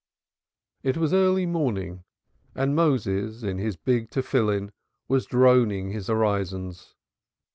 It was early morning and Moses in his big phylacteries was droning his orisons.